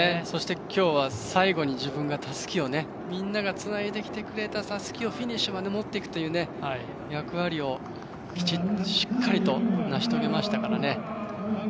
そして、きょうは最後に自分が、みんながつないできてくれたたすきをフィニッシュまで持っていくという役割をしっかりと成し遂げましたから。